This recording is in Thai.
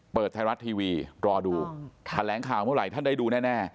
เปิดไทยรัฐทีวีรอดูแถลงข่าวเมื่อไหร่ท่านได้ดูแน่